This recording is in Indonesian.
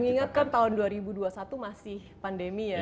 mengingatkan tahun dua ribu dua puluh satu masih pandemi ya